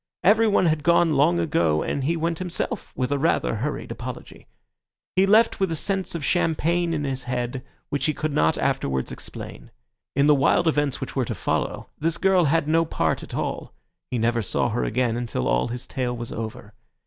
Everyone had gone long ago, and he went himself with a rather hurried apology. He left with a sense of champagne in his head, which he could not afterwards explain. In the wild events which were to follow this girl had no part at all; he never saw her again until all his tale was over.